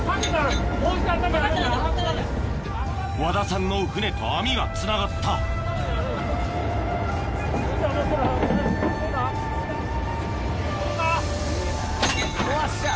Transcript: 和田さんの船と網がつながったよっしゃ！